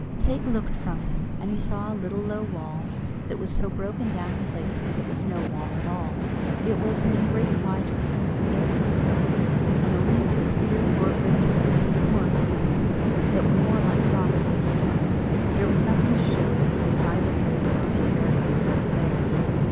Teig looked from him, and he saw a little low wall, that was so broken down in places that it was no wall at all. It was in a great wide field, in from the road; and only for three or four great stones at the corners, that were more like rocks than stones, there was nothing to show that there was either graveyard or burying ground there.